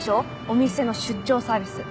お店の出張サービス。